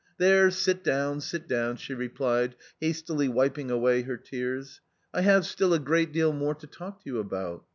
" There, sit down, sit down !" she replied, hastily wiping away her tears. " I have still a great deal more to talk to you about.